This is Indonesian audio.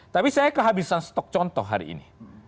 tapi saya kehabisan stok contoh hari ini